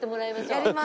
やります。